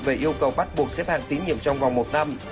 về yêu cầu bắt buộc xếp hạng tín nhiệm trong vòng một năm